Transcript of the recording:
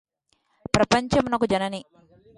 ప్రపంచమునకు జనని